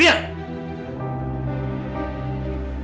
biarkan aja sendiri kita keluar dulu